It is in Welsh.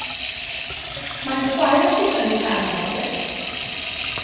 Mae'n chwaer i 'di prynu car newydd.